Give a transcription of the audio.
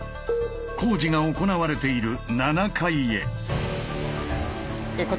工事が行われている７階へ。